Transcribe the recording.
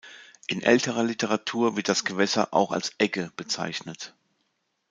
In älterer Literatur wird das Gewässer auch als Egge bezeichnet.